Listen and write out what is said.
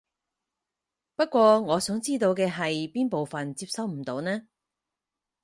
不過我想知道嘅係邊部分接收唔到呢？